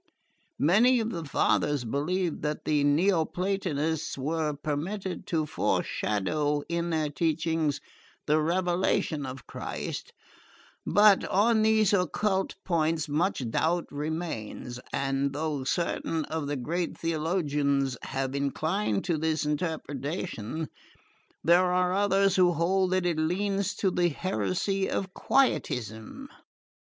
Many of the fathers believed that the Neoplatonists were permitted to foreshadow in their teachings the revelation of Christ; but on these occult points much doubt remains, and though certain of the great theologians have inclined to this interpretation, there are others who hold that it leans to the heresy of Quietism."